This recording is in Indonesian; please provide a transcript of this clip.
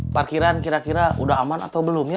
parkiran kira kira udah aman atau belum ya